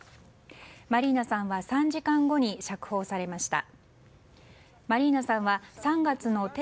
マリーナさんは３時間後に釈放されました。